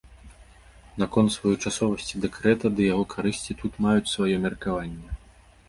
Наконт своечасовасці дэкрэта ды яго карысці тут маюць сваё меркаванне.